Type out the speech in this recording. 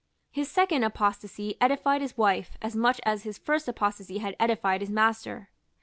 His second apostasy edified his wife as much as his first apostasy had edified his master.